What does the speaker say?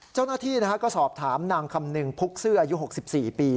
เจ้าหน้าที่ก็สอบถามนางคำนึงพุกซื่ออายุ๖๔ปี